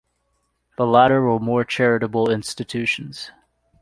The latter were more charitable institutions.